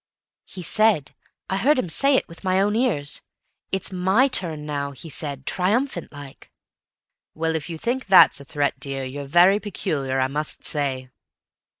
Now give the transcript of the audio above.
"He said, I heard him say it with my own ears, 'It's my turn now,' he said, triumphant like." "Well, if you think that's a threat, dear, you're very particular, I must say."